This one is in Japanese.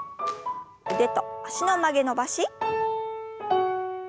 腕と脚の曲げ伸ばし。